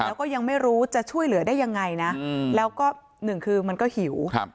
แล้วก็ยังไม่รู้จะช่วยเหลือได้ยังไงนะแล้วก็หนึ่งคือมันก็หิว